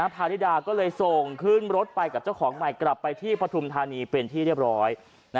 พาริดาก็เลยส่งขึ้นรถไปกับเจ้าของใหม่กลับไปที่ปฐุมธานีเป็นที่เรียบร้อย